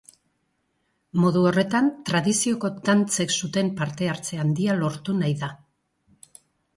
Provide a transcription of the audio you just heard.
Modu horretan, tradizioko dantzek zuten parte-hartze handia lortu nahi da.